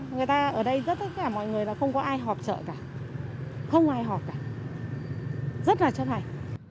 người ta ở đây rất là tất cả mọi người là không có ai họp chợ cả không ai họp cả rất là chất hành